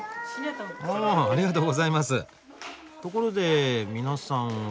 ところで皆さんは。